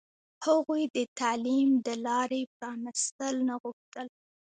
هغوی د تعلیم د لارې پرانستل نه غوښتل.